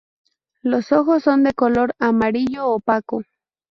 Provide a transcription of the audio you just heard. Los ojos son de color amarillo opaco.